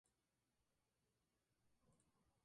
El incendio consiguiente estuvo activo durante dos días.